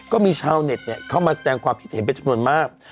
ก็มีชาวเน็ตเข้ามาแสดงความคิดเห็นเป็นจำนวนมาก